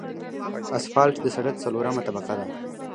اسفالټ د سرک څلورمه طبقه ده